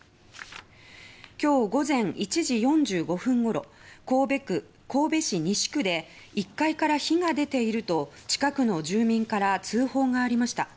今日午前１時４５分ごろ神戸市西区で「１階から火が出ている」と近くの住民から通報がありました。